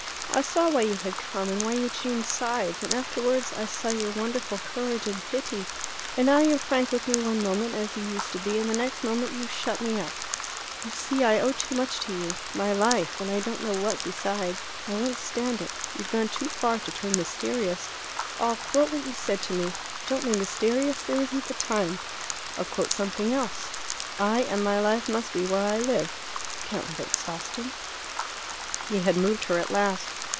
I saw why you had come, and why you changed sides, and afterwards I saw your wonderful courage and pity. And now you're frank with me one moment, as you used to be, and the next moment you shut me up. You see I owe too much to you my life, and I don't know what besides. I won't stand it. You've gone too far to turn mysterious. I'll quote what you said to me: 'Don't be mysterious; there isn't the time.' I'll quote something else: 'I and my life must be where I live.' You can't live at Sawston." He had moved her at last.